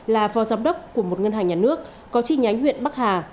là phó giám đốc của một ngân hàng nhà nước có chi nhánh huyện bắc hà